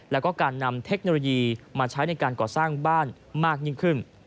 แล้วก็การนำเทคโนโลยีมาใช้ในการก่อสร้างบ้านมากยิ่งขึ้น